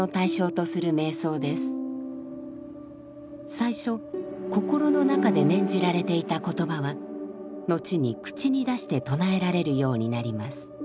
最初心の中で念じられていた言葉は後に口に出して唱えられるようになります。